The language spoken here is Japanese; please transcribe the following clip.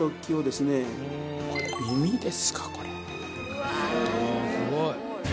うわっすごい。